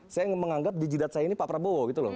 saya menganggap di jidat saya ini pak prabowo gitu loh